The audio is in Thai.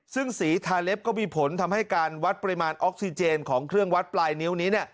ซึ่งสีทาเล็บก็มีผลทำให้การวัดปริมาณออกซิเจนของเครื่องวัดปลายนิ้วนี้